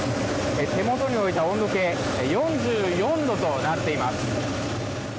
手元に置いた温度計４４度となっています。